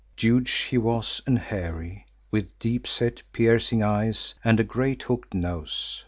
Huge he was and hairy, with deep set, piercing eyes and a great hooked nose.